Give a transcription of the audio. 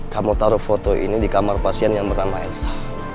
kamu taruh foto ini di kamar pasien yang bernama elsa